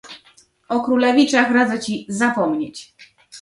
"O królewiczach radzę ci zapomnieć."